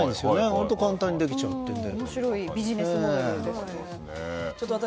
本当に簡単にできちゃうというので。